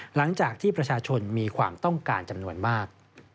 หลังจากที่ประชาชนมีความต้องการจำนวนมาก